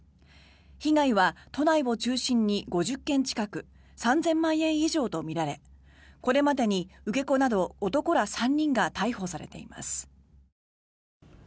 被害は都内を中心に５０件近く３０００万円以上とみられこれまでに受け子など男ら３人が逮捕されています。